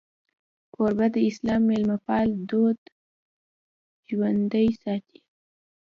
کوربه د اسلام میلمهپال دود ژوندی ساتي.